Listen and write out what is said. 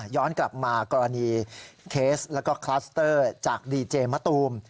ย้อนกลับมากรณีเคสแล้วก็คลัสเตอร์จากดีเจมะตูม